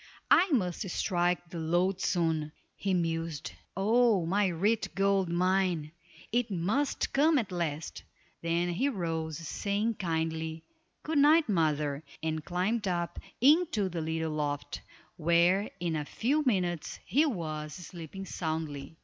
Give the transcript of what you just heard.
"I must strike the lode soon," he mused. "Oh, my rich gold mine; it must come at last." Then he rose, saying, kindly, "Good night, mother," and climbed up into the little loft, where in a few minutes he was sleeping soundly.